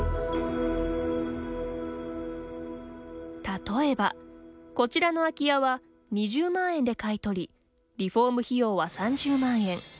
例えば、こちらの空き家は２０万円で買い取りリフォーム費用は３０万円。